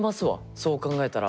そう考えたら。